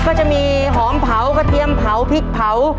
ก็จะมีหอมเผากระเทียมเผาพริกเผา